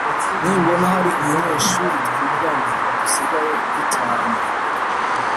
Nimbona hari umunyeshuri twigana dusigaye du tanye